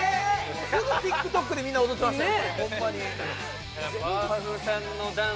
すぐＴｉｋＴｏｋでみんな踊ってましたよ